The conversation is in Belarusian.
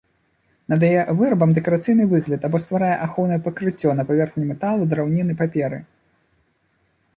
Надае вырабам дэкарацыйны выгляд або стварае ахоўнае пакрыццё на паверхні металу, драўніны, паперы.